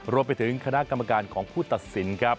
รวมไปถึงคณะกรรมการของผู้ตัดสินครับ